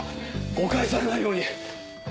誤解されないように。